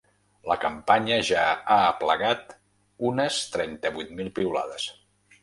La campanya ja ha aplegat unes trenta-vuit mil piulades.